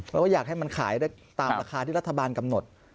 แล้วก็อยากให้มันขายได้ตามราคาที่รัฐบาลกำหนด